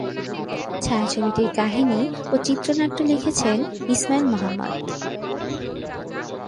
ছায়াছবিটির কাহিনী ও চিত্রনাট্য লিখেছেন ইসমাইল মোহাম্মদ।